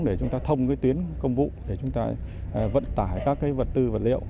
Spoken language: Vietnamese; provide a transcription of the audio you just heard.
để chúng ta thông với tuyến công vụ để chúng ta vận tải các vật tư vật liệu